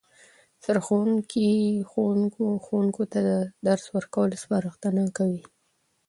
سرښوونکی ښوونکو ته د درس ورکولو سپارښتنه کوي